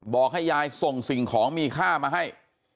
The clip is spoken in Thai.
บอกให้ยายส่งสิ่งของมีค่ามาให้